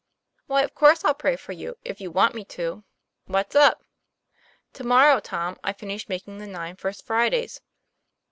"Why, of course I'll pray for you, if you want me to. What's up ?"" To morrow, Tom, I finish making the nine First Fridays."